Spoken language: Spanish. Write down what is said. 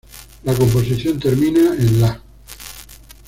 La composición termina en La.